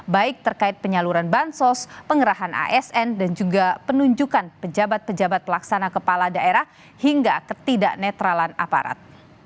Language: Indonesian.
baik terkait penyaluran bansos pengerahan asn dan juga penunjukan pejabat pejabat pelaksana kepala daerah hingga ketidak netralan aparat